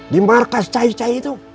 di markas cahik cahik itu